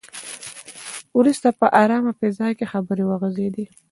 وروسته په ارامه فضا کې خبرې وغځېدې.